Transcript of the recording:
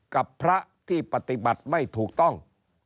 กับพระที่ปฏิบัติไม่ถูกต้อง